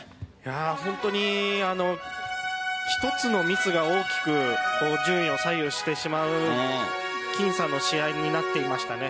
本当に１つのミスが大きく順位を左右してしまう僅差の試合になっていました。